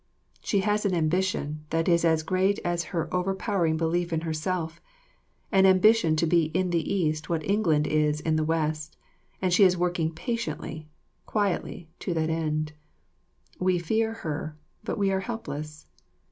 She has an ambition that is as great as her overpowering belief in herself, an ambition to be in the East what England is in the West; and she is working patiently, quietly, to that end. We fear her; but we are helpless.